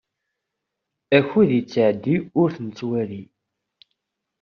Akud yettɛedday ur t-nettwali.